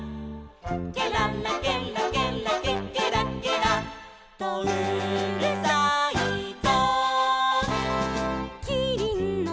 「ケララケラケラケケラケラとうるさいぞ」